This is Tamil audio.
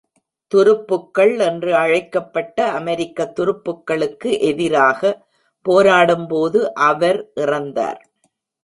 "துருப்புக்கள்" என்று அழைக்கப்பட்ட அமெரிக்க துருப்புக்களுக்கு எதிராக போராடும் போது அவர் இறந்தார்.